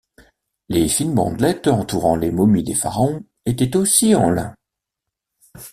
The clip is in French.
Les fines bandelettes entourant les momies des pharaons étaient aussi en lin.